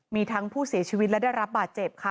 มีทั้งผู้เสียชีวิตและได้รับบาดเจ็บค่ะ